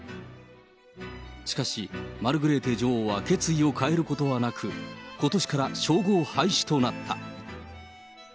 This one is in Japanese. しかし、マルグレーテ女王は決意を変えることはなく、ことしから称号廃止となった。